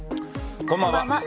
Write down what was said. こんばんは。